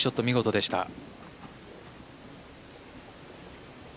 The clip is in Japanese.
見事でした。